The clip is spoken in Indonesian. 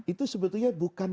itu sebetulnya bukan